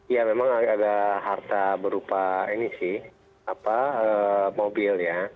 ya memang ada harta berupa ini sih mobil ya